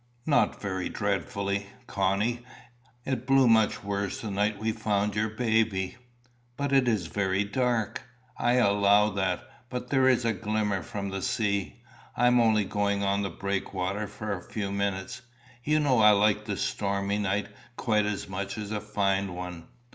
"Not very dreadfully, Connie. It blew much worse the night we found your baby." "But it is very dark." "I allow that; but there is a glimmer from the sea. I am only going on the breakwater for a few minutes. You know I like a stormy night quite as much as a fine one."